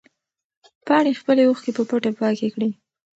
پاڼې خپلې اوښکې په پټه پاکې کړې.